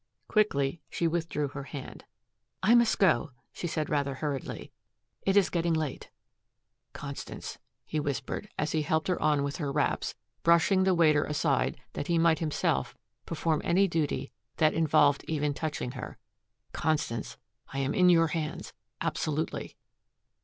Quickly she withdrew her hand. "I must go," she said rather hurriedly, "it is getting late." "Constance," he whispered, as he helped her on with her wraps, brushing the waiter aside that he might himself perform any duty that involved even touching her, "Constance, I am in your hands absolutely."